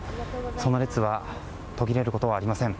その列は途切れることはありません。